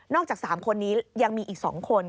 นอกจากสามคนนี้ยังมีอีกสองคน